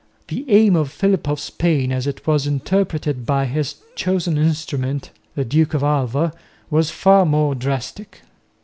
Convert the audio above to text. The aim of Philip of Spain as it was interpreted by his chosen instrument, the Duke of Alva, was far more drastic.